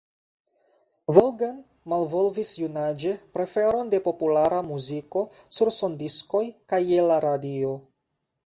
Vaughan malvolvis junaĝe preferon de populara muziko sur sondiskoj kaj je la radio.